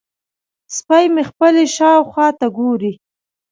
سپی مې خپلې شاوخوا ته ګوري.